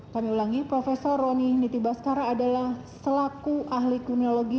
kami ulangi prof roni niti baskara adalah selaku ahli kunologi